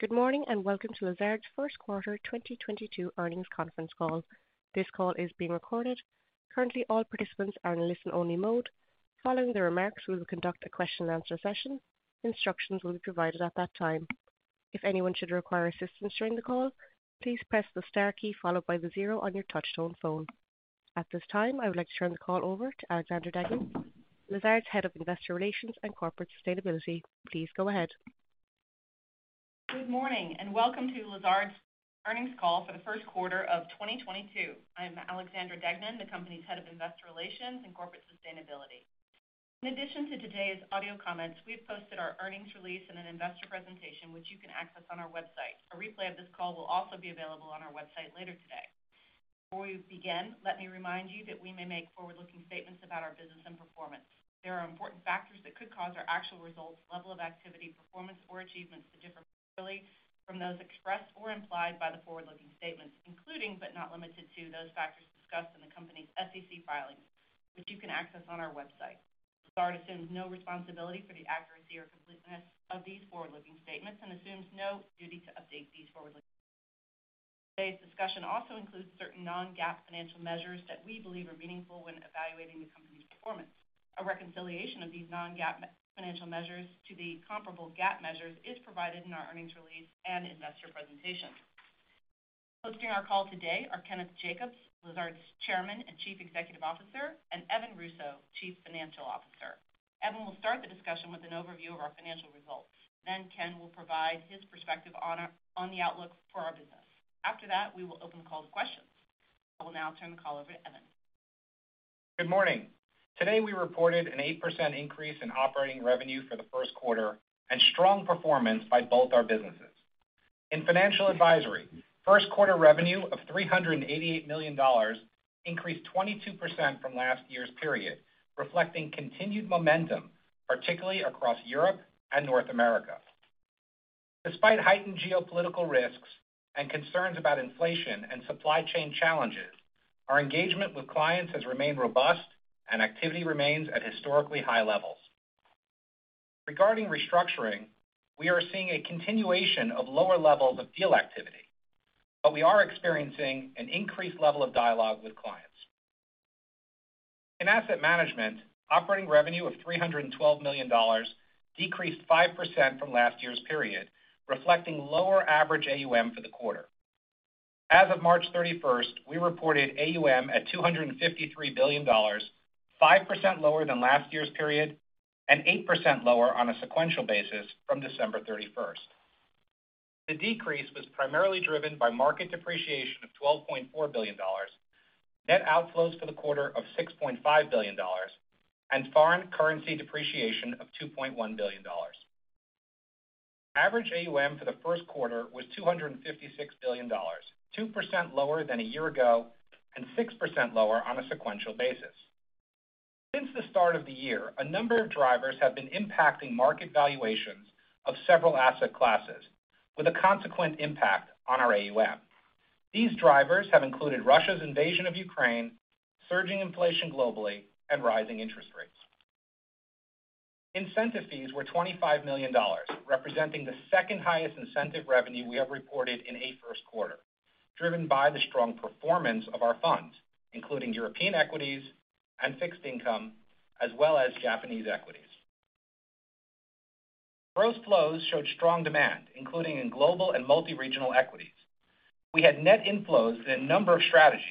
Good morning, and welcome to Lazard's first quarter 2022 earnings conference call. This call is being recorded. Currently all participants are in listen only mode. Following the remarks, we will conduct a question-and-answer session. Instructions will be provided at that time. If anyone should require assistance during the call, please press the star key followed by the zero on your touchtone phone. At this time, I would like to turn the call over to Alexandra Deignan, Lazard's Head of Investor Relations and Corporate Sustainability. Please go ahead. Good morning, and welcome to Lazard's earnings call for the first quarter of 2022. I'm Alexandra Deignan, the company's Head of Investor Relations and Corporate Sustainability. In addition to today's audio comments, we've posted our earnings release in an investor presentation, which you can access on our website. A replay of this call will also be available on our website later today. Before we begin, let me remind you that we may make forward-looking statements about our business and performance. There are important factors that could cause our actual results, level of activity, performance, or achievements to differ materially from those expressed or implied by the forward-looking statements, including but not limited to those factors discussed in the company's SEC filings, which you can access on our website. Lazard assumes no responsibility for the accuracy or completeness of these forward-looking statements and assumes no duty to update these forward-looking. Today's discussion also includes certain non-GAAP financial measures that we believe are meaningful when evaluating the company's performance. A reconciliation of these non-GAAP financial measures to the comparable GAAP measures is provided in our earnings release and investor presentation. Hosting our call today are Kenneth Jacobs, Lazard's Chairman and Chief Executive Officer, and Evan Russo, Chief Financial Officer. Evan will start the discussion with an overview of our financial results, then Ken will provide his perspective on the outlook for our business. After that, we will open the call to questions. I will now turn the call over to Evan. Good morning. Today, we reported an 8% increase in operating revenue for the first quarter and strong performance by both our businesses. In Financial Advisory, first quarter revenue of $388 million increased 22% from last year's period, reflecting continued momentum, particularly across Europe and North America. Despite heightened geopolitical risks and concerns about inflation and supply chain challenges, our engagement with clients has remained robust and activity remains at historically high levels. Regarding restructuring, we are seeing a continuation of lower levels of deal activity, but we are experiencing an increased level of dialogue with clients. In Asset Management, operating revenue of $312 million decreased 5% from last year's period, reflecting lower average AUM for the quarter. As of March 31st, we reported AUM at $253 billion, 5% lower than last year's period and 8% lower on a sequential basis from December 31st. The decrease was primarily driven by market depreciation of $12.4 billion, net outflows for the quarter of $6.5 billion, and foreign currency depreciation of $2.1 billion. Average AUM for the first quarter was $256 billion, 2% lower than a year ago and 6% lower on a sequential basis. Since the start of the year, a number of drivers have been impacting market valuations of several asset classes with a consequent impact on our AUM. These drivers have included Russia's invasion of Ukraine, surging inflation globally, and rising interest rates. Incentive fees were $25 million, representing the second highest incentive revenue we have reported in a first quarter, driven by the strong performance of our funds, including European equities and fixed income, as well as Japanese equities. Gross flows showed strong demand, including in global and multi-regional equities. We had net inflows in a number of strategies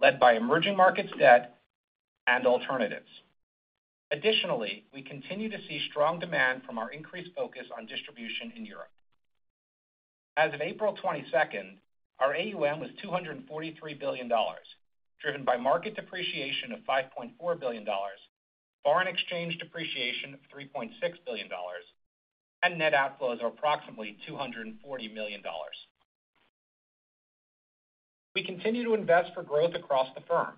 led by emerging markets debt and alternatives. Additionally, we continue to see strong demand from our increased focus on distribution in Europe. As of April 22nd, our AUM was $243 billion, driven by market depreciation of $5.4 billion, foreign exchange depreciation of $3.6 billion, and net outflows of approximately $240 million. We continue to invest for growth across the firm.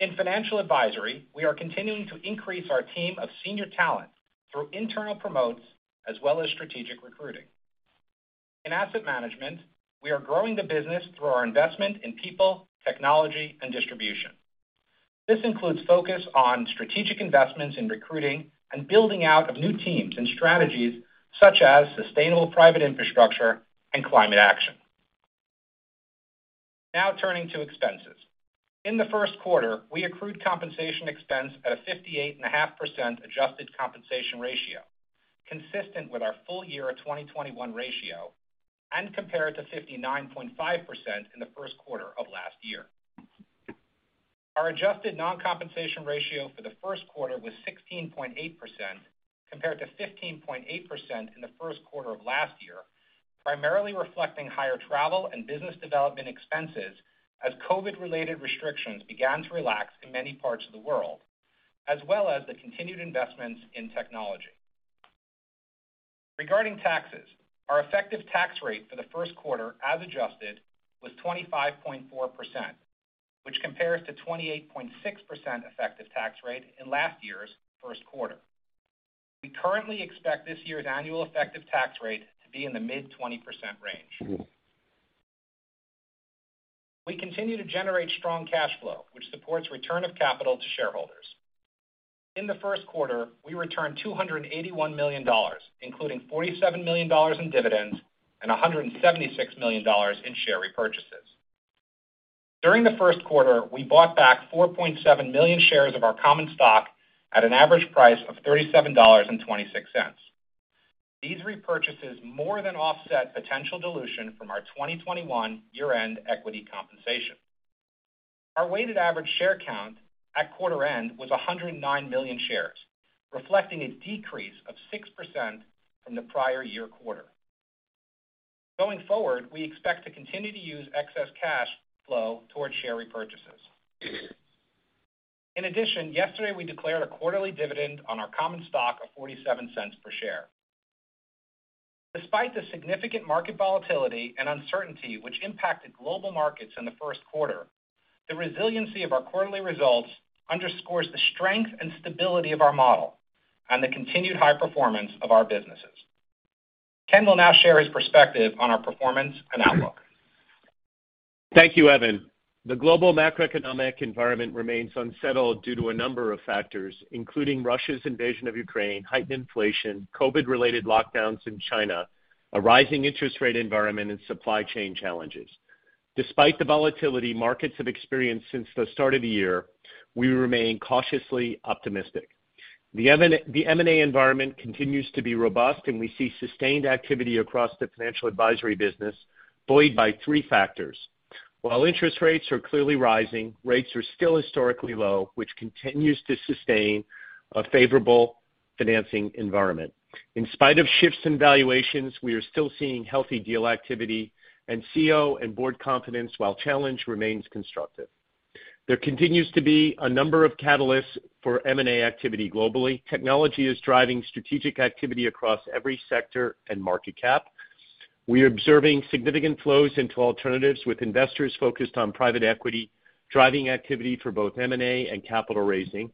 In Financial Advisory, we are continuing to increase our team of senior talent through internal promotes as well as strategic recruiting. In Asset Management, we are growing the business through our investment in people, technology, and distribution. This includes focus on strategic investments in recruiting and building out of new teams and strategies such as sustainable private infrastructure and climate action. Now turning to expenses. In the first quarter, we accrued compensation expense at a 58.5% adjusted compensation ratio, consistent with our full year 2021 ratio, and compared to 59.5% in the first quarter of last year. Our adjusted non-compensation ratio for the first quarter was 16.8% compared to 15.8% in the first quarter of last year, primarily reflecting higher travel and business development expenses as COVID-related restrictions began to relax in many parts of the world, as well as the continued investments in technology. Regarding taxes, our effective tax rate for the first quarter as adjusted was 25.4%, which compares to 28.6% effective tax rate in last year's first quarter. We currently expect this year's annual effective tax rate to be in the mid-20% range. We continue to generate strong cash flow, which supports return of capital to shareholders. In the first quarter, we returned $281 million, including $47 million in dividends and $176 million in share repurchases. During the first quarter, we bought back 4.7 million shares of our common stock at an average price of $37.26. These repurchases more than offset potential dilution from our 2021 year-end equity compensation. Our weighted average share count at quarter end was 109 million shares, reflecting a decrease of 6% from the prior year quarter. Going forward, we expect to continue to use excess cash flow towards share repurchases. In addition, yesterday, we declared a quarterly dividend on our common stock of $0.47 per share. Despite the significant market volatility and uncertainty which impacted global markets in the first quarter, the resiliency of our quarterly results underscores the strength and stability of our model and the continued high performance of our businesses. Ken will now share his perspective on our performance and outlook. Thank you, Evan. The global macroeconomic environment remains unsettled due to a number of factors, including Russia's invasion of Ukraine, heightened inflation, COVID-related lockdowns in China, a rising interest rate environment, and supply chain challenges. Despite the volatility markets have experienced since the start of the year, we remain cautiously optimistic. The M&A environment continues to be robust, and we see sustained activity across the Financial Advisory business, buoyed by three factors. While interest rates are clearly rising, rates are still historically low, which continues to sustain a favorable financing environment. In spite of shifts in valuations, we are still seeing healthy deal activity, and CEO and board confidence, while challenged, remains constructive. There continues to be a number of catalysts for M&A activity globally. Technology is driving strategic activity across every sector and market cap. We're observing significant flows into alternatives, with investors focused on private equity, driving activity for both M&A and capital raising.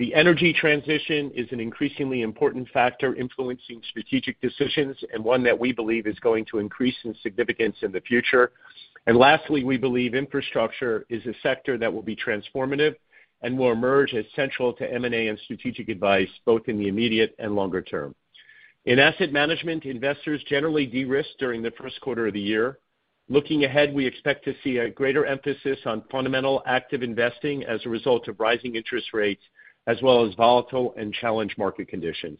The energy transition is an increasingly important factor influencing strategic decisions and one that we believe is going to increase in significance in the future. Lastly, we believe infrastructure is a sector that will be transformative and will emerge as central to M&A and strategic advice both in the immediate and longer term. In Asset Management, investors generally de-risk during the first quarter of the year. Looking ahead, we expect to see a greater emphasis on fundamental active investing as a result of rising interest rates as well as volatile and challenged market conditions.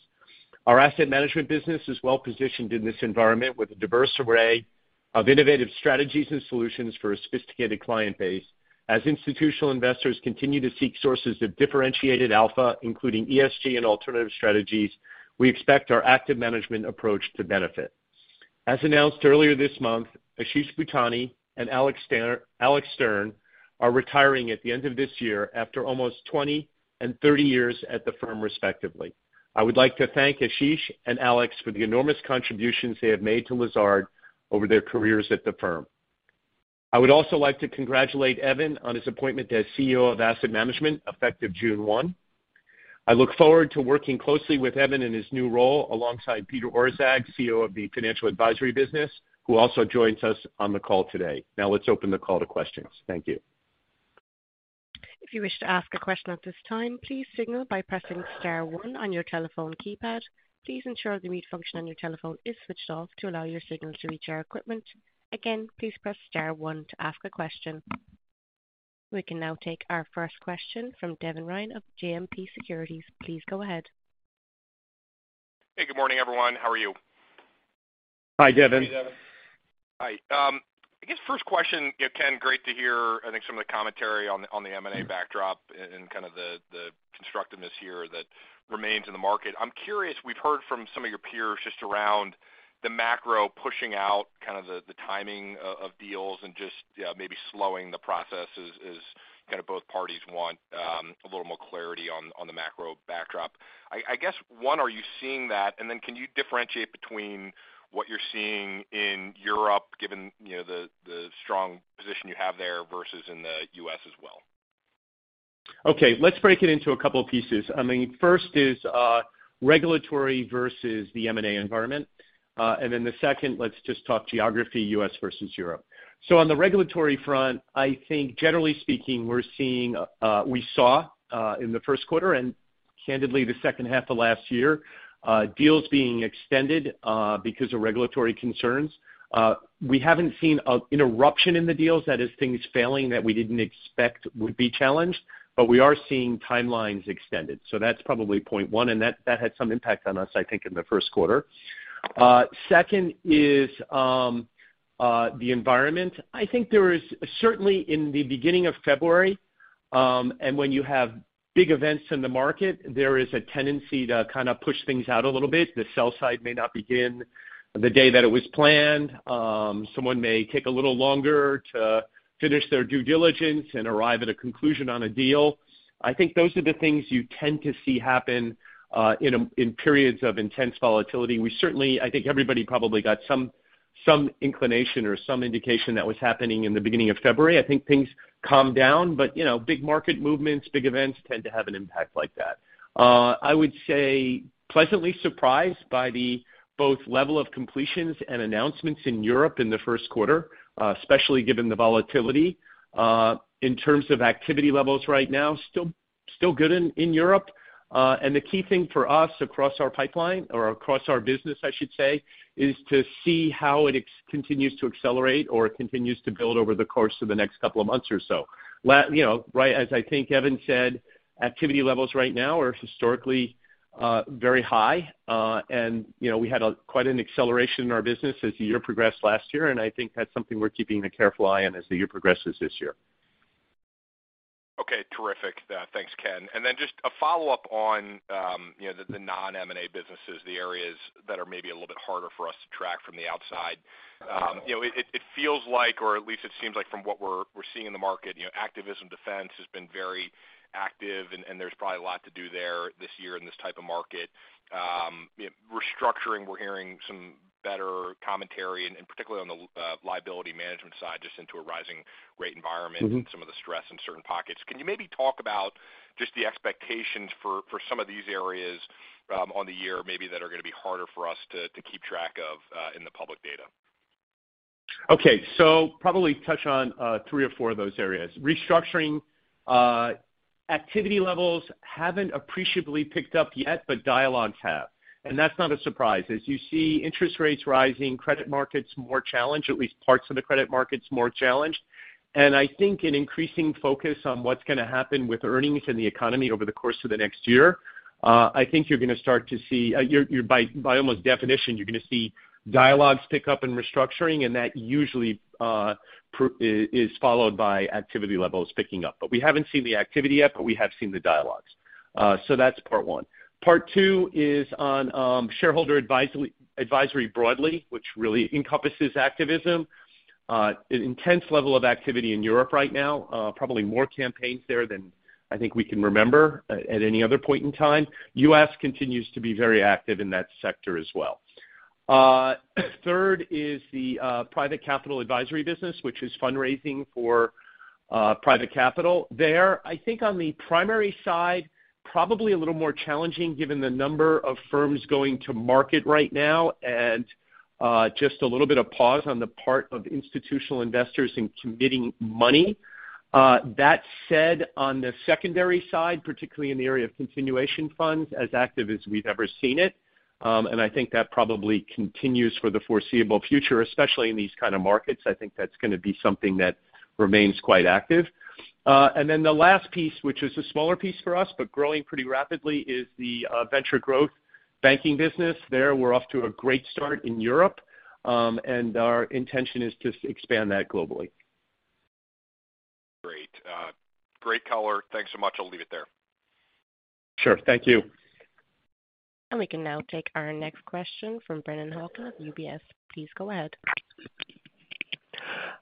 Our Asset Management business is well positioned in this environment, with a diverse array of innovative strategies and solutions for a sophisticated client base. As institutional investors continue to seek sources of differentiated alpha, including ESG and alternative strategies, we expect our active management approach to benefit. As announced earlier this month, Ashish Bhutani and Alex Stern are retiring at the end of this year after almost 20 and 30 years at the firm, respectively. I would like to thank Ashish and Alex for the enormous contributions they have made to Lazard over their careers at the firm. I would also like to congratulate Evan on his appointment as CEO of Asset Management, effective June 1. I look forward to working closely with Evan in his new role alongside Peter Orszag, CEO of the Financial Advisory business, who also joins us on the call today. Now let's open the call to questions. Thank you. If you wish to ask a question at this time, please signal by pressing star one on your telephone keypad. Please ensure the mute function on your telephone is switched off to allow your signal to reach our equipment. Again, please press star one to ask a question. We can now take our first question from Devin Ryan of JMP Securities. Please go ahead. Hey, good morning, everyone. How are you? Hi, Devin. Hey, Devin. Hi. I guess first question. You know, Ken, great to hear, I think some of the commentary on the M&A backdrop and kind of the constructiveness here that remains in the market. I'm curious, we've heard from some of your peers just around the macro pushing out kind of the timing of deals and just maybe slowing the process as kind of both parties want a little more clarity on the macro backdrop. I guess one, are you seeing that? Then can you differentiate between what you're seeing in Europe, given you know the strong position you have there versus in the U.S. as well? Okay, let's break it into a couple of pieces. I mean, first is regulatory versus the M&A environment. The second, let's just talk geography, U.S. versus Europe. On the regulatory front, I think generally speaking, we saw in the first quarter, and candidly, the second half of last year, deals being extended because of regulatory concerns. We haven't seen an interruption in the deals. That is things failing that we didn't expect would be challenged, but we are seeing timelines extended. That's probably point one, and that had some impact on us, I think, in the first quarter. Second is the environment. I think there is certainly in the beginning of February, and when you have big events in the market, there is a tendency to kind of push things out a little bit. The sell side may not begin the day that it was planned. Someone may take a little longer to finish their due diligence and arrive at a conclusion on a deal. I think those are the things you tend to see happen in periods of intense volatility. We certainly I think everybody probably got some inclination or some indication that was happening in the beginning of February. I think things calmed down, but you know, big market movements, big events tend to have an impact like that. I would say pleasantly surprised by both the level of completions and announcements in Europe in the first quarter, especially given the volatility. In terms of activity levels right now, still good in Europe. The key thing for us across our pipeline or across our business, I should say, is to see how it continues to accelerate or continues to build over the course of the next couple of months or so. You know, right as I think Evan said, activity levels right now are historically very high. You know, we had quite an acceleration in our business as the year progressed last year, and I think that's something we're keeping a careful eye on as the year progresses this year. Okay, terrific. Thanks, Ken. Then just a follow-up on, you know, the non-M&A businesses, the areas that are maybe a little bit harder for us to track from the outside. You know, it feels like, or at least it seems like from what we're seeing in the market, you know, activism defense has been very active and there's probably a lot to do there this year in this type of market. You know, restructuring, we're hearing some better commentary and particularly on the liability management side, just into a rising rate environment. Mm-hmm. Some of the stress in certain pockets. Can you maybe talk about just the expectations for some of these areas on the year maybe that are gonna be harder for us to keep track of in the public data? Okay. Probably touch on three or four of those areas. Restructuring activity levels haven't appreciably picked up yet, but dialogues have, and that's not a surprise. As you see interest rates rising, credit markets more challenged, at least parts of the credit markets more challenged. I think an increasing focus on what's gonna happen with earnings in the economy over the course of the next year. I think you're by almost definition gonna see dialogues pick up in restructuring and that usually is followed by activity levels picking up. We haven't seen the activity yet, but we have seen the dialogues. That's part one. Part two is on shareholder advisory broadly, which really encompasses activism. An intense level of activity in Europe right now, probably more campaigns there than I think we can remember at any other point in time. U.S. continues to be very active in that sector as well. Third is the private capital advisory business, which is fundraising for private capital. There, I think on the primary side, probably a little more challenging given the number of firms going to market right now and just a little bit of pause on the part of institutional investors in committing money. That said, on the secondary side, particularly in the area of continuation funds, as active as we've ever seen it. I think that probably continues for the foreseeable future, especially in these kind of markets. I think that's gonna be something that remains quite active. The last piece, which is a smaller piece for us, but growing pretty rapidly, is the venture growth banking business. There, we're off to a great start in Europe, and our intention is to expand that globally. Great. Great color. Thanks so much. I'll leave it there. Sure. Thank you. We can now take our next question from Brennan Hawken of UBS. Please go ahead.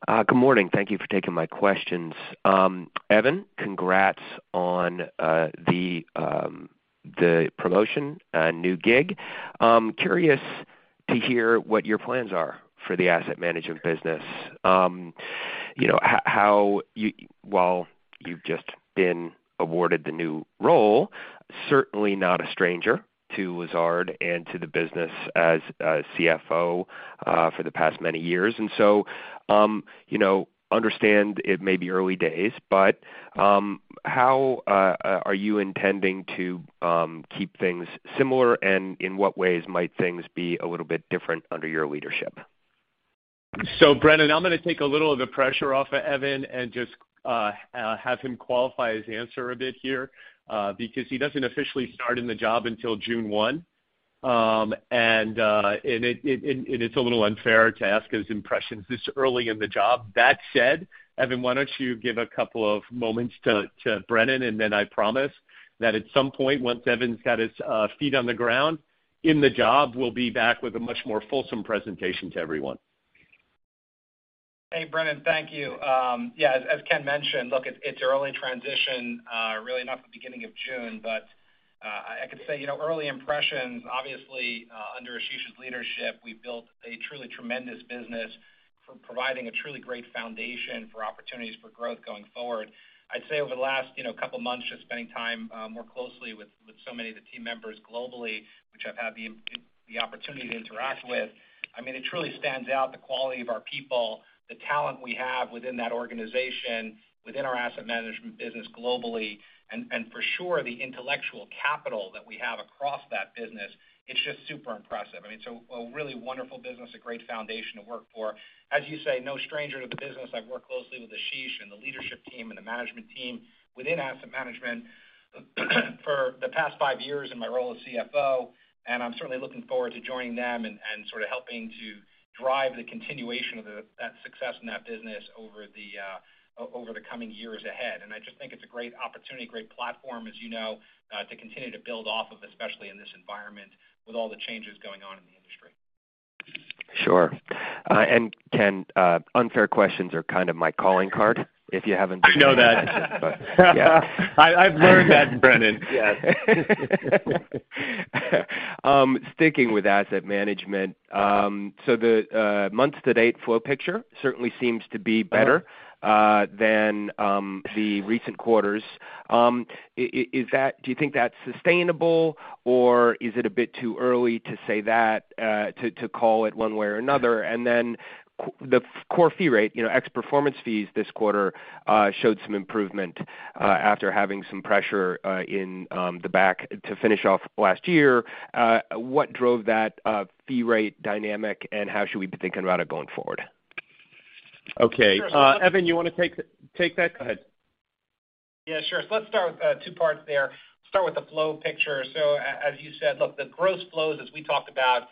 Good morning. Thank you for taking my questions. Evan, congrats on the promotion, new gig. I'm curious to hear what your plans are for the Asset Management business. You know, while you've just been awarded the new role, certainly not a stranger to Lazard and to the business as CFO for the past many years. You know, understand it may be early days, but how are you intending to keep things similar, and in what ways might things be a little bit different under your leadership? Brennan, I'm gonna take a little of the pressure off of Evan and just have him qualify his answer a bit here, because he doesn't officially start in the job until June 1. It's a little unfair to ask his impressions this early in the job. That said, Evan, why don't you give a couple of moments to Brennan, and then I promise that at some point, once Evan's got his feet on the ground in the job, we'll be back with a much more fulsome presentation to everyone. Hey, Brennan. Thank you. Yeah, as Ken mentioned, look, it's early transition, really not the beginning of June, but I could say, you know, early impressions, obviously, under Ashish's leadership, we've built a truly tremendous business for providing a truly great foundation for opportunities for growth going forward. I'd say over the last, you know, couple of months, just spending time more closely with so many of the team members globally, which I've had the opportunity to interact with. I mean, it truly stands out the quality of our people, the talent we have within that organization, within our Asset Management business globally, and for sure the intellectual capital that we have across that business, it's just super impressive. I mean, it's a really wonderful business, a great foundation to work for. As you say, no stranger to the business. I've worked closely with Ashish and the leadership team and the management team within Asset Management for the past five years in my role as CFO, and I'm certainly looking forward to joining them and sort of helping to drive the continuation of that success in that business over the coming years ahead. I just think it's a great opportunity, great platform, as you know, to continue to build off of, especially in this environment with all the changes going on in the industry. Sure. Ken, unfair questions are kind of my calling card, if you haven't. I know that. Yeah. I've learned that, Brennan. Yes. Sticking with Asset Management. The month-to-date flow picture certainly seems to be better than the recent quarters. Is that sustainable, or is it a bit too early to say that to call it one way or another? The core fee rate, you know, ex performance fees this quarter, showed some improvement after having some pressure in the back half to finish off last year. What drove that fee rate dynamic, and how should we be thinking about it going forward? Okay. Evan, you wanna take that? Go ahead. Yeah, sure. Let's start with two parts there. Start with the flow picture. As you said, look, the gross flows as we talked about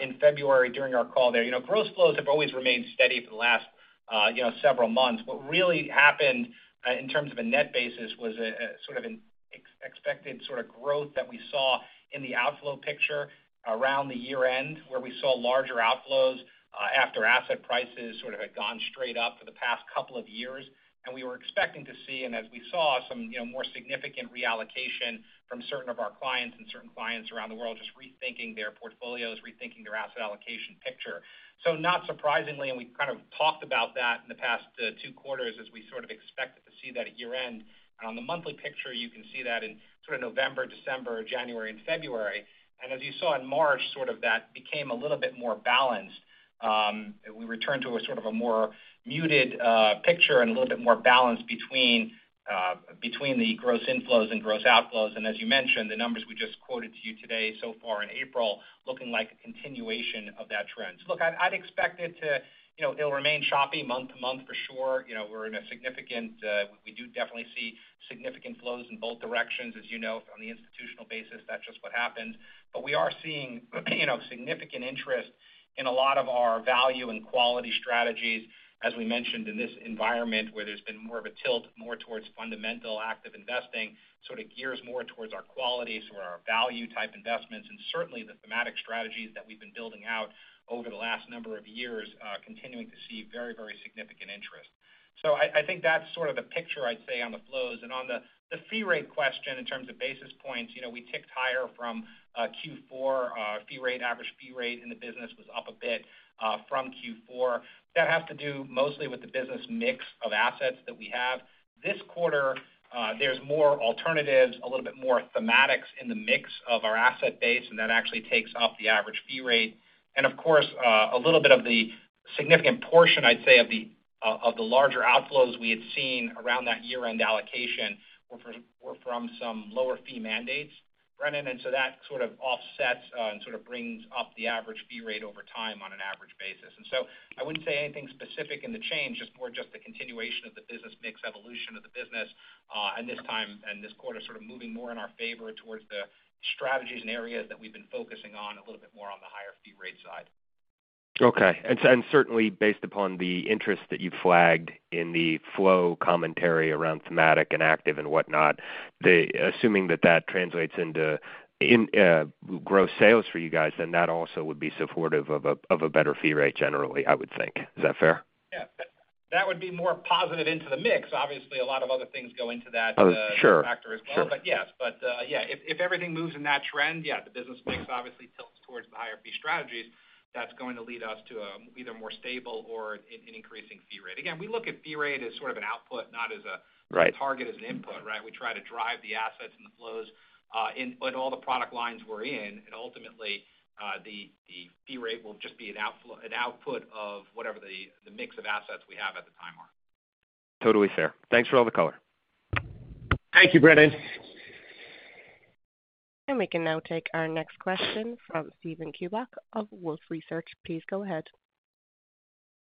in February during our call there, you know, gross flows have always remained steady for the last, you know, several months. What really happened in terms of a net basis was a sort of an expected sort of growth that we saw in the outflow picture around the year-end, where we saw larger outflows after asset prices sort of had gone straight up for the past couple of years. We were expecting to see, and as we saw some, you know, more significant reallocation from certain of our clients and certain clients around the world, just rethinking their portfolios, rethinking their asset allocation picture. Not surprisingly, we kind of talked about that in the past two quarters as we sort of expected to see that at year-end. On the monthly picture, you can see that in sort of November, December, January, and February. As you saw in March, sort of that became a little bit more balanced. We returned to a sort of a more muted picture and a little bit more balanced between between the gross inflows and gross outflows. As you mentioned, the numbers we just quoted to you today so far in April looking like a continuation of that trend. Look, I'd expect it to, you know, it'll remain choppy month to month for sure. You know, we do definitely see significant flows in both directions. As you know, on the institutional basis, that's just what happens. We are seeing, you know, significant interest in a lot of our value and quality strategies. As we mentioned in this environment, where there's been more of a tilt, more towards fundamental active investing, sort of gears more towards our quality, sort of our value type investments, and certainly the thematic strategies that we've been building out over the last number of years, continuing to see very, very significant interest. I think that's sort of the picture I'd say on the flows. On the fee rate question, in terms of basis points, you know, we ticked higher from Q4. Our fee rate, average fee rate in the business was up a bit from Q4. That has to do mostly with the business mix of assets that we have. This quarter, there's more alternatives, a little bit more thematics in the mix of our asset base, and that actually takes up the average fee rate. Of course, a little bit of the significant portion, I'd say, of the larger outflows we had seen around that year-end allocation were from some lower fee mandates, Brennan. That sort of offsets, and sort of brings up the average fee rate over time on an average basis. I wouldn't say anything specific in the change, just more the continuation of the business mix evolution of the business, and this time and this quarter sort of moving more in our favor towards the strategies and areas that we've been focusing on a little bit more on the higher fee rate side. Okay. Certainly based upon the interest that you flagged in the flow commentary around thematic and active and whatnot, assuming that translates into gross sales for you guys, then that also would be supportive of a better fee rate generally, I would think. Is that fair? Yeah. That would be more positive into the mix. Obviously, a lot of other things go into that. Oh, sure. -factor as well. Yes. Yeah, if everything moves in that trend, yeah, the business mix obviously tilts towards the higher fee strategies. That's going to lead us to either more stable or increasing fee rate. Again, we look at fee rate as sort of an output, not as a- Right. Target, as an input, right? We try to drive the assets and the flows, but all the product lines we're in, and ultimately, the fee rate will just be an output of whatever the mix of assets we have at the time are. Totally fair. Thanks for all the color. Thank you, Brennan. We can now take our next question from Steven Chubak of Wolfe Research. Please go ahead.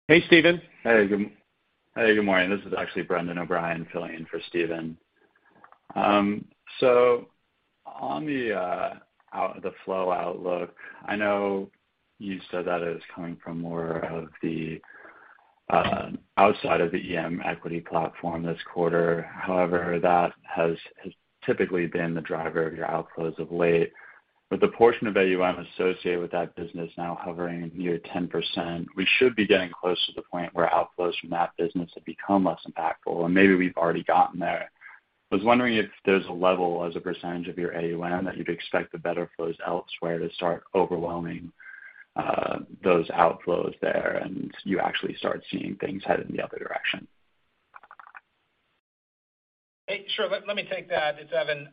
Hey, Steven. Good morning. This is actually Brendan O'Brien filling in for Steven. On the flow outlook, I know you said that it was coming from more outside of the EM equity platform this quarter. However, that has typically been the driver of your outflows of late. With the portion of AUM associated with that business now hovering near 10%, we should be getting close to the point where outflows from that business have become less impactful, and maybe we've already gotten there. I was wondering if there's a level as a percentage of your AUM that you'd expect the better flows elsewhere to start overwhelming those outflows there, and you actually start seeing things head in the other direction. Hey, sure. Let me take that. It's Evan.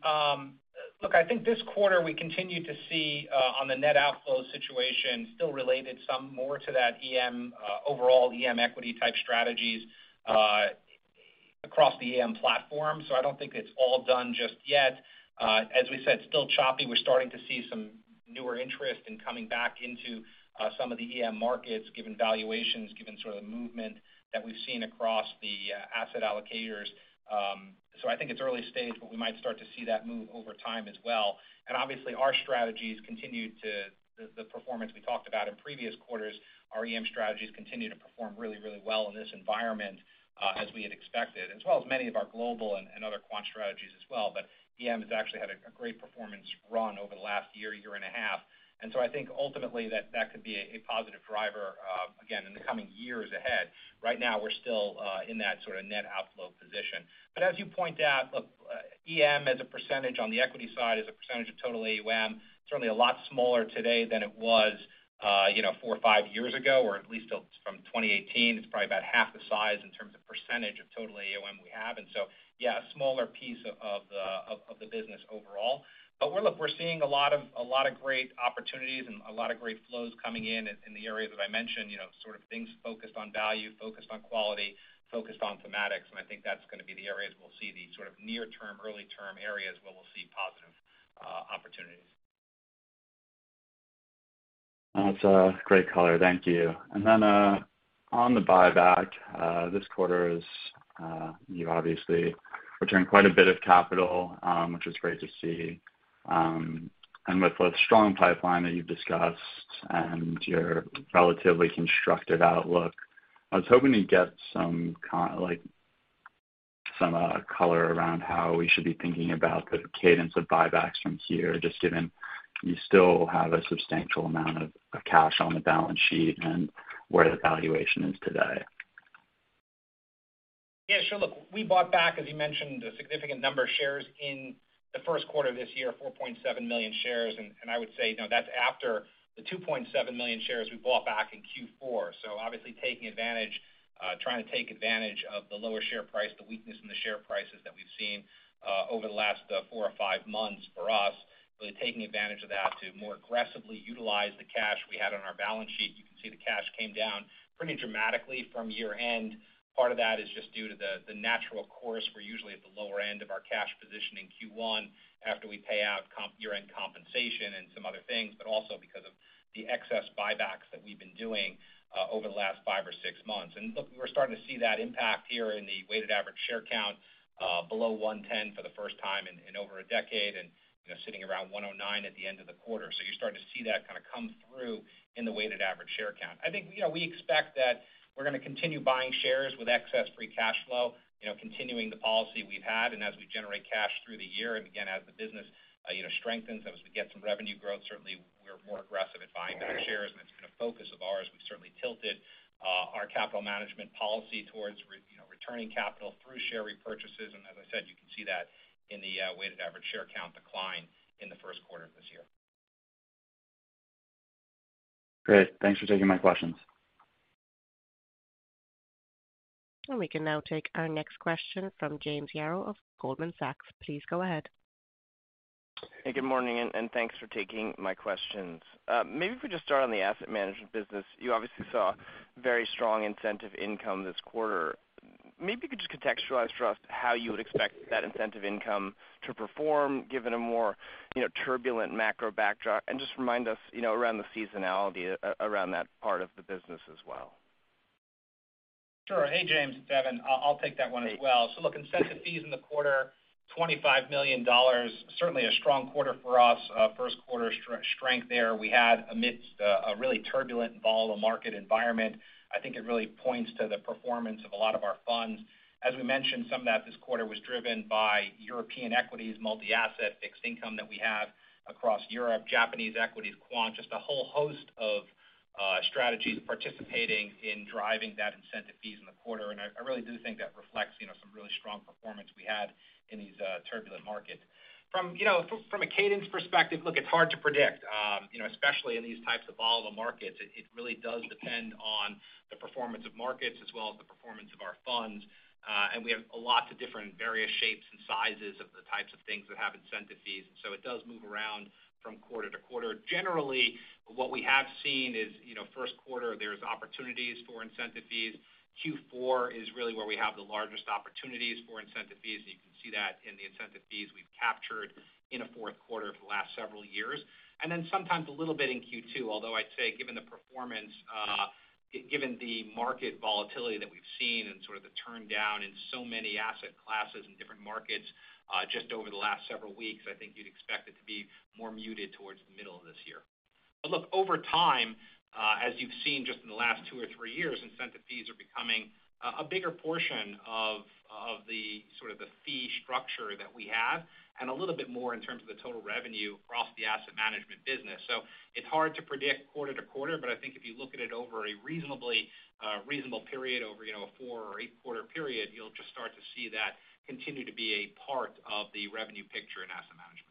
Look, I think this quarter we continued to see on the net outflow situation, still related some more to that EM overall EM equity type strategies across the EM platform. I don't think it's all done just yet. As we said, still choppy. We're starting to see some newer interest in coming back into some of the EM markets, given valuations, given sort of the movement that we've seen across the asset allocators. I think it's early stage, but we might start to see that move over time as well. Obviously, our strategies continue to. The performance we talked about in previous quarters, our EM strategies continue to perform really, really well in this environment, as we had expected, as well as many of our global and other quant strategies as well. EM has actually had a great performance run over the last year and a half. I think ultimately that could be a positive driver, again, in the coming years ahead. Right now, we're still in that sort of net outflow position. As you point out, look, EM as a percentage on the equity side is a percentage of total AUM, certainly a lot smaller today than it was, you know, four or five years ago, or at least from 2018. It's probably about half the size in terms of percentage of total AUM we have. Yeah, a smaller piece of the business overall. But look, we're seeing a lot of great opportunities and a lot of great flows coming in in the areas that I mentioned, you know, sort of things focused on value, focused on quality, focused on thematics, and I think that's gonna be the areas we'll see, the sort of near term, early term areas where we'll see positive opportunities. That's a great color. Thank you. Then, on the buyback, this quarter, you obviously returned quite a bit of capital, which is great to see. With the strong pipeline that you've discussed and your relatively constructive outlook, I was hoping to get some, like, some color around how we should be thinking about the cadence of buybacks from here, just given you still have a substantial amount of cash on the balance sheet and where the valuation is today. Yeah, sure. Look, we bought back, as you mentioned, a significant number of shares in the first quarter of this year, 4.7 million shares. I would say, you know, that's after the 2.7 million shares we bought back in Q4. Obviously taking advantage, trying to take advantage of the lower share price, the weakness in the share prices that we've seen over the last four or five months for us, really taking advantage of that to more aggressively utilize the cash we had on our balance sheet. You can see the cash came down pretty dramatically from year-end. Part of that is just due to the natural course. We're usually at the lower end of our cash position in Q1 after we pay out year-end compensation and some other things, but also because of the excess buybacks that we've been doing over the last five or six months. Look, we're starting to see that impact here in the weighted average share count below 110 for the first time in over a decade, and you know, sitting around 109 at the end of the quarter. You're starting to see that kind of come through in the weighted average share count. I think, you know, we expect that we're gonna continue buying shares with excess free cash flow, you know, continuing the policy we've had. As we generate cash through the year, and again, as the business, you know, strengthens, as we get some revenue growth, certainly we're more aggressive in buying back shares, and it's been a focus of ours. We've certainly tilted, our capital management policy towards you know, returning capital through share repurchases. As I said, you can see that in the weighted average share count decline in the first quarter of this year. Great. Thanks for taking my questions. We can now take our next question from James Yarrow of Goldman Sachs. Please go ahead. Hey, good morning, and thanks for taking my questions. Maybe if we just start on the Asset Management business. You obviously saw very strong incentive income this quarter. Maybe you could just contextualize for us how you would expect that incentive income to perform, given a more, you know, turbulent macro backdrop. Just remind us, you know, around the seasonality around that part of the business as well. Sure. Hey, James, it's Evan. I'll take that one as well. Look, incentive fees in the quarter, $25 million, certainly a strong quarter for us. First quarter strength there we had amidst a really turbulent and volatile market environment. I think it really points to the performance of a lot of our funds. As we mentioned, some of that this quarter was driven by European equities, multi-asset fixed income that we have across Europe, Japanese equities, quant, just a whole host of strategies participating in driving that incentive fees in the quarter. I really do think that reflects, you know, some really strong performance we had in these turbulent markets. From a cadence perspective, look, it's hard to predict. You know, especially in these types of volatile markets, it really does depend on the performance of markets as well as the performance of our funds. We have lots of different various shapes and sizes of the types of things that have incentive fees. It does move around from quarter to quarter. Generally, what we have seen is, you know, first quarter, there's opportunities for incentive fees. Q4 is really where we have the largest opportunities for incentive fees. You can see that in the incentive fees we've captured in a fourth quarter for the last several years. Sometimes a little bit in Q2, although I'd say given the performance, given the market volatility that we've seen and sort of the turndown in so many asset classes and different markets, just over the last several weeks, I think you'd expect it to be more muted towards the middle of this year. Look, over time, as you've seen just in the last two or three years, incentive fees are becoming a bigger portion of the sort of the fee structure that we have and a little bit more in terms of the total revenue across the Asset Management business. It's hard to predict quarter to quarter, but I think if you look at it over a reasonable period, you know, a four or eight-quarter period, you'll just start to see that continue to be a part of the revenue picture in Asset Management.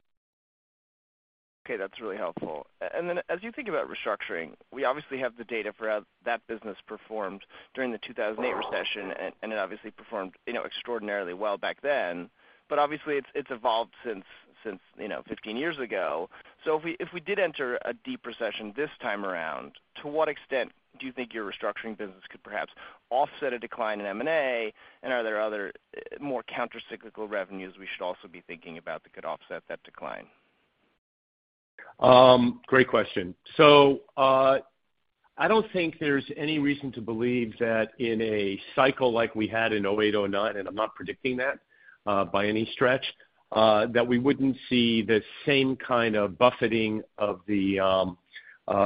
Okay, that's really helpful. Then as you think about restructuring, we obviously have the data for how that business performed during the 2008 recession, and it obviously performed, you know, extraordinarily well back then. Obviously it's evolved since, you know, 15 years ago. If we did enter a deep recession this time around, to what extent do you think your restructuring business could perhaps offset a decline in M&A? And are there other more countercyclical revenues we should also be thinking about that could offset that decline? Great question. I don't think there's any reason to believe that in a cycle like we had in 2008, 2009, and I'm not predicting that, by any stretch, that we wouldn't see the same kind of buffeting of the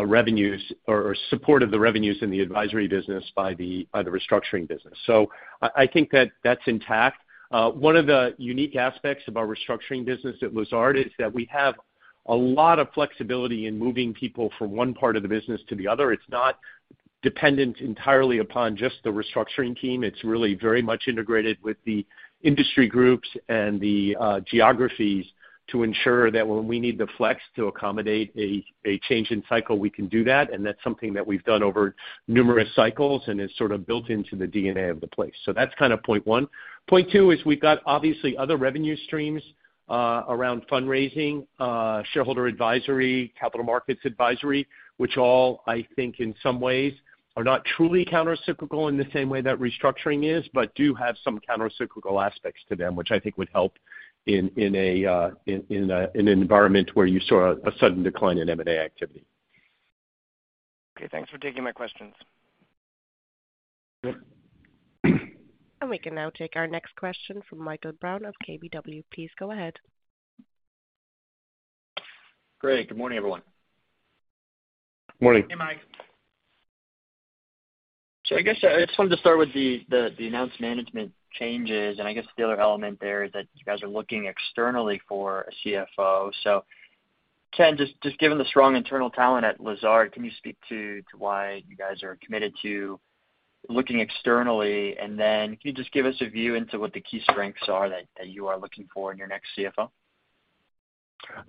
revenues or support of the revenues in the advisory business by the restructuring business. I think that that's intact. One of the unique aspects of our restructuring business at Lazard is that we have a lot of flexibility in moving people from one part of the business to the other. It's not dependent entirely upon just the restructuring team. It's really very much integrated with the industry groups and the geographies to ensure that when we need to flex to accommodate a change in cycle, we can do that, and that's something that we've done over numerous cycles and is sort of built into the DNA of the place. That's kind of point one. Point two is we've got obviously other revenue streams around fundraising, shareholder advisory, capital markets advisory, which all, I think in some ways, are not truly countercyclical in the same way that restructuring is, but do have some countercyclical aspects to them, which I think would help in an environment where you saw a sudden decline in M&A activity. Okay, thanks for taking my questions. We can now take our next question from Michael Brown of KBW. Please go ahead. Great. Good morning, everyone. Morning. Hey, Mike. I guess I just wanted to start with the announced management changes, and I guess the other element there is that you guys are looking externally for a CFO. Ken, just given the strong internal talent at Lazard, can you speak to why you guys are committed to looking externally? Then can you just give us a view into what the key strengths are that you are looking for in your next CFO?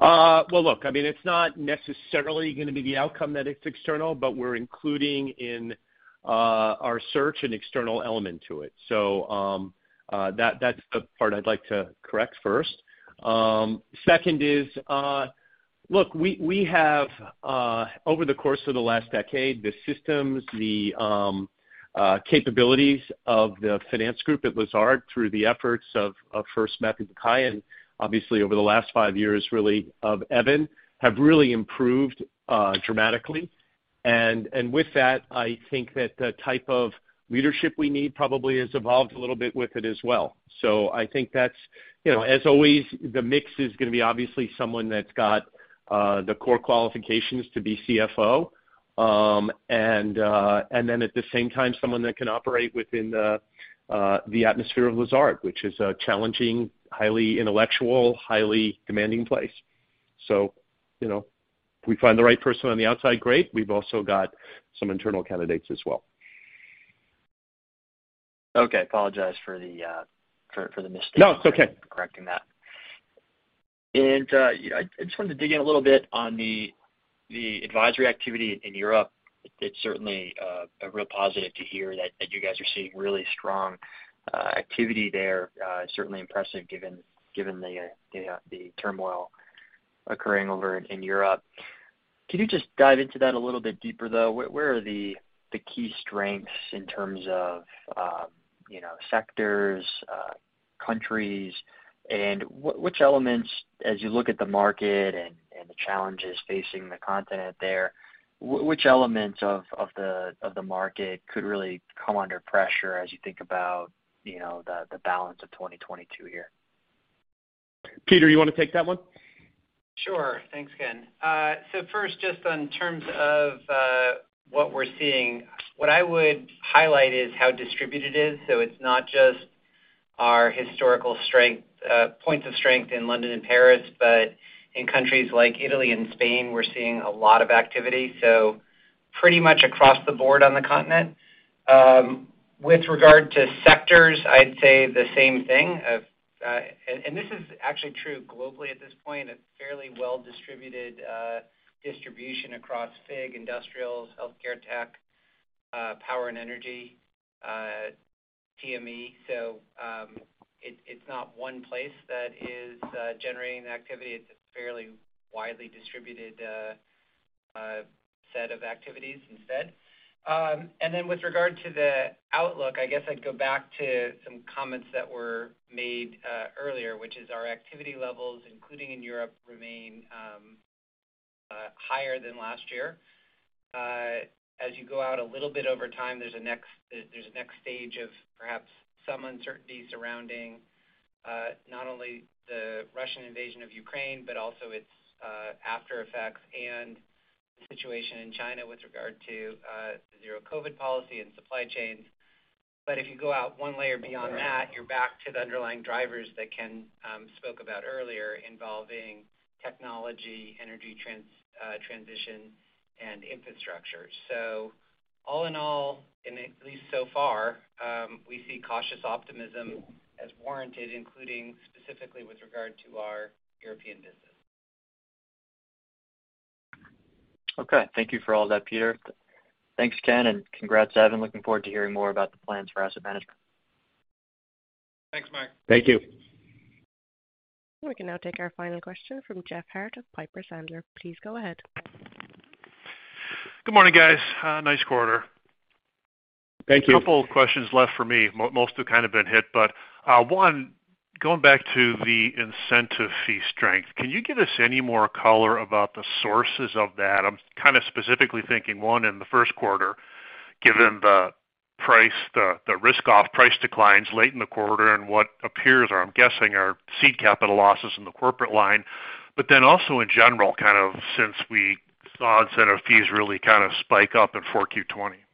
Well, look, I mean, it's not necessarily gonna be the outcome that it's external, but we're including in our search an external element to it. That's the part I'd like to correct first. Second is, look, we have over the course of the last decade, the capabilities of the finance group at Lazard through the efforts of first Matthieu Bucaille, and obviously over the last five years, really, of Evan, have really improved dramatically. With that, I think that the type of leadership we need probably has evolved a little bit with it as well. I think that's, you know, as always, the mix is gonna be obviously someone that's got the core qualifications to be CFO, and then at the same time, someone that can operate within the atmosphere of Lazard, which is a challenging, highly intellectual, highly demanding place. You know, if we find the right person on the outside, great. We've also got some internal candidates as well. Okay. Apologize for the mistake. No, it's okay. Correcting that. I just wanted to dig in a little bit on the advisory activity in Europe. It's certainly a real positive to hear that you guys are seeing really strong activity there. Certainly impressive given the turmoil occurring over in Europe. Can you just dive into that a little bit deeper, though? Where are the key strengths in terms of, you know, sectors, countries, and which elements as you look at the market and the challenges facing the continent there, which elements of the market could really come under pressure as you think about, you know, the balance of 2022 here? Peter, you wanna take that one? Sure. Thanks, Ken. First, just in terms of what we're seeing, what I would highlight is how distributed it is. It's not just our historical strength, points of strength in London and Paris, but in countries like Italy and Spain, we're seeing a lot of activity, so pretty much across the board on the continent. With regard to sectors, I'd say the same thing. This is actually true globally at this point. It's fairly well-distributed distribution across FIG, industrials, healthcare, tech, power and energy, TME. It's not one place that is generating the activity. It's a fairly widely distributed set of activities instead. With regard to the outlook, I guess I'd go back to some comments that were made earlier, which is our activity levels, including in Europe, remain higher than last year. As you go out a little bit over time, there's a next stage of perhaps some uncertainty surrounding not only the Russian invasion of Ukraine, but also its aftereffects and the situation in China with regard to zero COVID policy and supply chains. But if you go out one layer beyond that, you're back to the underlying drivers that Ken spoke about earlier involving technology, energy transition, and infrastructure. All in all, and at least so far, we see cautious optimism as warranted, including specifically with regard to our European business. Okay. Thank you for all that, Peter. Thanks, Ken, and congrats, Evan. Looking forward to hearing more about the plans for Asset Management. Thanks, Mike. Thank you. We can now take our final question from Jeff Harte of Piper Sandler. Please go ahead. Good morning, guys. Nice quarter. Thank you. A couple of questions left for me. Most have kind of been hit. One, going back to the incentive fee strength, can you give us any more color about the sources of that? I'm kinda specifically thinking, one, in the first quarter, given the price, the risk-off price declines late in the quarter and what appears, or I'm guessing, are seed capital losses in the corporate line, but then also in general, kind of since we saw incentive fees really kind of spike up in 4Q 2020. Yeah.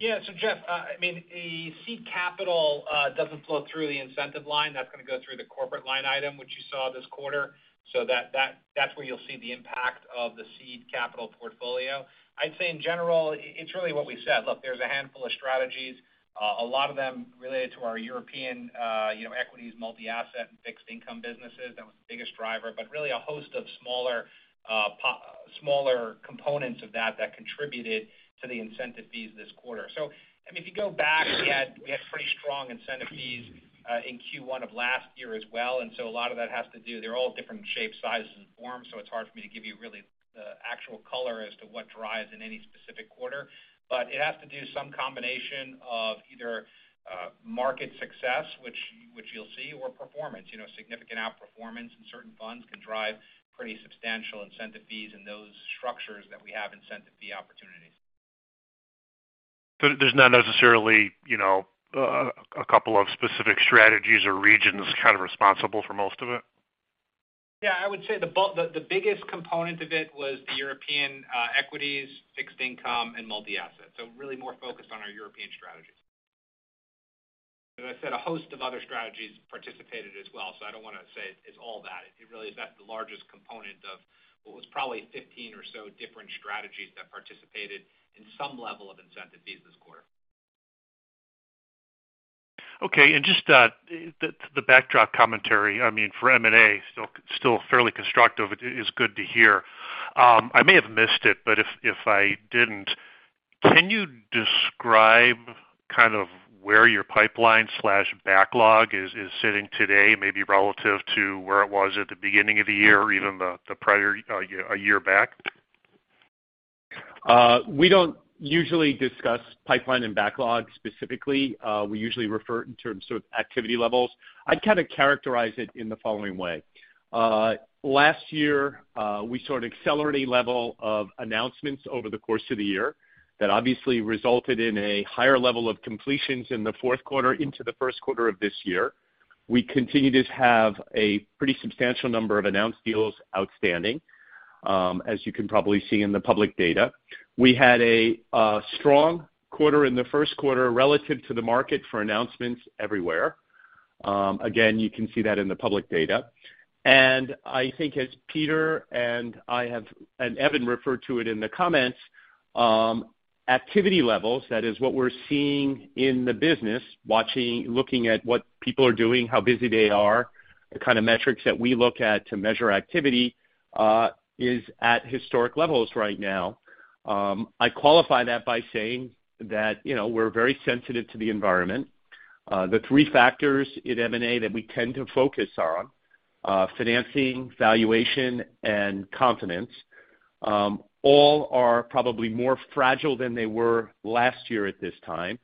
Jeff, I mean, the seed capital doesn't flow through the incentive line. That's gonna go through the corporate line item, which you saw this quarter. That's where you'll see the impact of the seed capital portfolio. I'd say in general, it's really what we said. Look, there's a handful of strategies, a lot of them related to our European, you know, equities, multi-asset and fixed income businesses. That was the biggest driver, but really a host of smaller smaller components of that contributed to the incentive fees this quarter. I mean, if you go back, we had pretty strong incentive fees in Q1 of last year as well, and so a lot of that has to do. They're all different shapes, sizes, and forms, so it's hard for me to give you really the actual color as to what drives in any specific quarter. It has to do some combination of either, market success, which you'll see, or performance. You know, significant outperformance in certain funds can drive pretty substantial incentive fees in those structures that we have incentive fee opportunities. There's not necessarily, you know, a couple of specific strategies or regions kind of responsible for most of it? Yeah, I would say the biggest component of it was the European equities, fixed income, and multi-asset. Really more focused on our European strategies. As I said, a host of other strategies participated as well. I don't wanna say it's all that. It really is that the largest component of what was probably 15 or so different strategies that participated in some level of incentive fees this quarter. Okay. Just the backdrop commentary, I mean, for M&A, still fairly constructive. It is good to hear. I may have missed it, but if I didn't, can you describe kind of where your pipeline/backlog is sitting today, maybe relative to where it was at the beginning of the year, even the prior a year back? We don't usually discuss pipeline and backlog specifically. We usually refer in terms of activity levels. I'd kinda characterize it in the following way. Last year, we saw an accelerating level of announcements over the course of the year that obviously resulted in a higher level of completions in the fourth quarter into the first quarter of this year. We continue to have a pretty substantial number of announced deals outstanding, as you can probably see in the public data. We had a strong quarter in the first quarter relative to the market for announcements everywhere. Again, you can see that in the public data. I think as Peter and Evan referred to it in the comments, activity levels, that is what we're seeing in the business, looking at what people are doing, how busy they are, the kind of metrics that we look at to measure activity, is at historic levels right now. I qualify that by saying that, you know, we're very sensitive to the environment. The three factors in M&A that we tend to focus on, financing, valuation, and confidence, all are probably more fragile than they were last year at this time.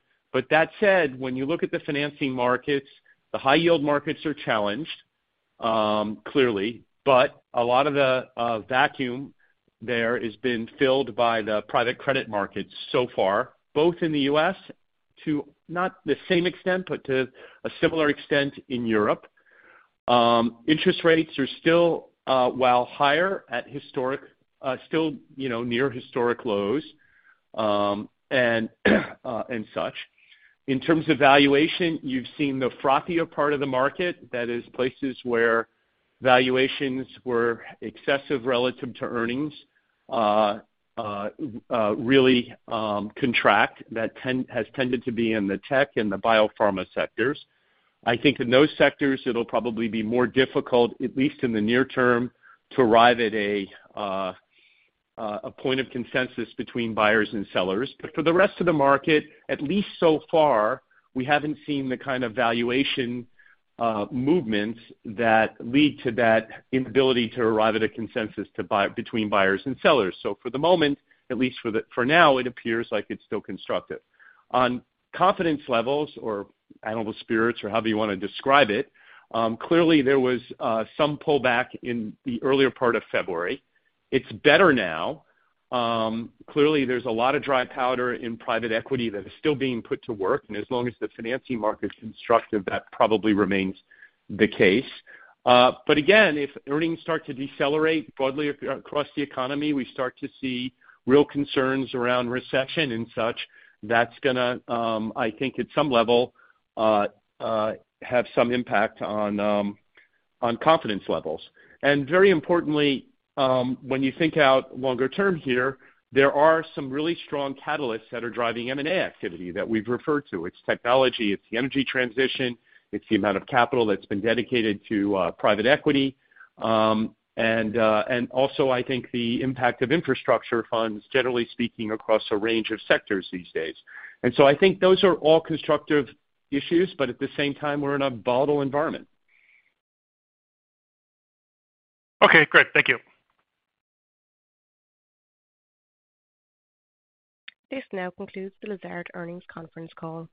That said, when you look at the financing markets, the high yield markets are challenged, clearly, but a lot of the vacuum there has been filled by the private credit markets so far, both in the U.S. too, not the same extent, but to a similar extent in Europe. Interest rates are still, while higher, still, you know, near historic lows, and such. In terms of valuation, you've seen the frothier part of the market. That is, places where valuations were excessive relative to earnings, really, has tended to be in the tech and the biopharma sectors. I think in those sectors, it'll probably be more difficult, at least in the near term, to arrive at a point of consensus between buyers and sellers. For the rest of the market, at least so far, we haven't seen the kind of valuation movements that lead to that inability to arrive at a consensus to buy between buyers and sellers. For the moment, at least for now, it appears like it's still constructive. On confidence levels or animal spirits or however you wanna describe it, clearly there was some pullback in the earlier part of February. It's better now. Clearly, there's a lot of dry powder in private equity that is still being put to work, and as long as the financing market is constructive, that probably remains the case. Again, if earnings start to decelerate broadly across the economy, we start to see real concerns around recession and such, that's gonna, I think at some level, have some impact on confidence levels. Very importantly, when you think out longer term here, there are some really strong catalysts that are driving M&A activity that we've referred to. It's technology, it's the energy transition, it's the amount of capital that's been dedicated to private equity, and also I think the impact of infrastructure funds, generally speaking, across a range of sectors these days. I think those are all constructive issues, but at the same time, we're in a volatile environment. Okay, great. Thank you. This now concludes the Lazard earnings conference call.